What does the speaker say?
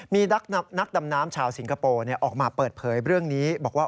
มีนักดำน้ำชาวสิงคโปร์ออกมาเปิดเผยเรื่องนี้บอกว่า